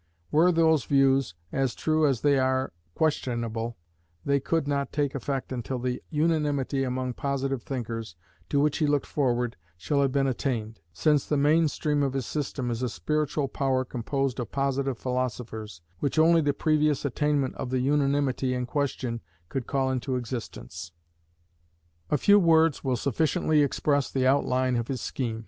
Were those views as true as they are questionable, they could not take effect until the unanimity among positive thinkers, to which he looked forward, shall have been attained; since the mainspring of his system is a Spiritual Power composed of positive philosophers, which only the previous attainment of the unanimity in question could call into existence. A few words will sufficiently express the outline of his scheme.